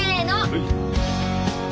はい。